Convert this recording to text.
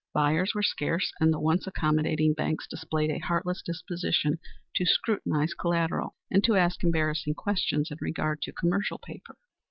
Buyers were scarce, and the once accommodating banks displayed a heartless disposition to scrutinize collateral and to ask embarrassing questions in regard to commercial paper.